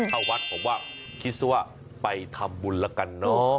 ถ้าวัดผมว่าคิดซะว่าไปทำบุญแล้วกันเนอะ